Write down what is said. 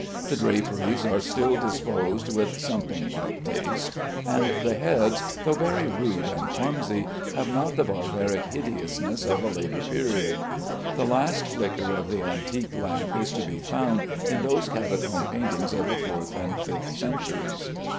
The draperies are still disposed with something like taste, and the heads, though very rude and clumsy, have not the barbaric hideousness of a later period. The last flicker of the antique lamp is to be found in those catacomb paintings of the fourth and fifth centuries.